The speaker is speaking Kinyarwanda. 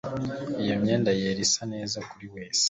Iyo myenda yera isa neza kuri wewe